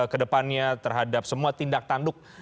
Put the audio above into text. kedepannya terhadap semua tindak tanduk